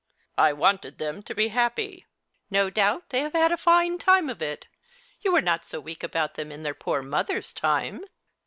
" I wanted them to be happy." " No doubt they have had a fine time of it. Yuu were not so weak about them in tlieir poor mother's time."